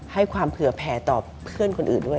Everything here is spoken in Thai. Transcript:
ให้ความเผื่อแผ่ต่อเพื่อนคนอื่นด้วย